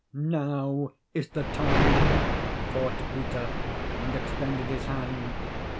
"Now is the time," thought Peter, and extended his hand.